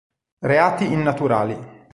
Reati innaturali.